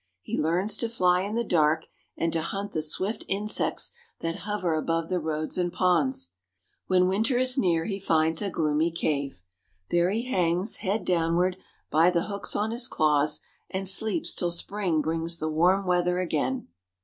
He learns to fly in the dark and to hunt the swift insects that hover above the roads and ponds. When winter is near he finds a gloomy cave. There he hangs, head downward, by the hooks on his claws, and sleeps till spring brings the warm weather again.